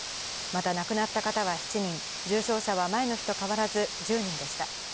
また亡くなった方は７人、重症者は前の日と変わらず１０人でした。